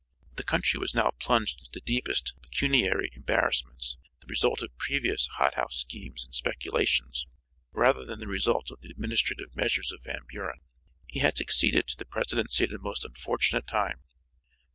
The country was now plunged into the deepest pecuniary embarrassments, the result of previous hot house schemes and speculations, rather than the result of the administrative measures of Van Buren. He had succeeded to the presidency at a most unfortunate time.